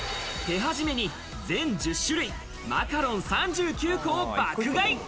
手始めに全１０種類マカロン３９個を爆買い。